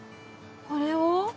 これを？